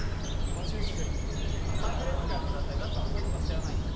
そういうことは知らないんで。